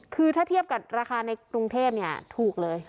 คือถ้าเทียบกับราคาในกรุงเทพถูกเลย